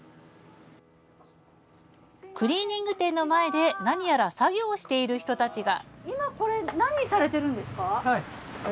クリーニング店の前で何やら作業している人たちが。